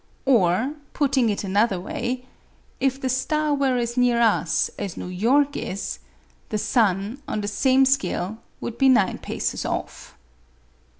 Or, putting it another way. If the star were as near us as New York is, the sun, on the same scale, would be nine paces off.